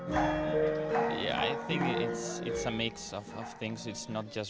saya pikir ini merupakan campuran bagian dari banyak hal